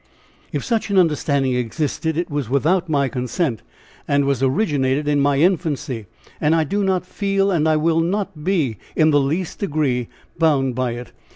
"If such an understanding existed, it was without my consent, and was originated in my infancy, and I do not feel and I will not be in the least degree bound by it!